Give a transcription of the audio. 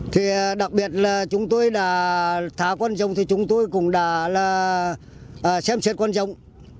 thì đặc biệt là chúng tôi đã thả con rồng chúng tôi cũng đã xem xét con rồng